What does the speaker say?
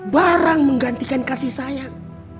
barang menggantikan kasih sayang